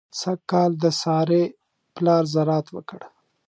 سږ کال د سارې پلار زراعت وکړ.